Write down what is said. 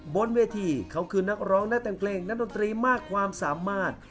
บนเวทีเขาคือนักร้องนักแต่งเพลงนักดนตรีมากความสามารถ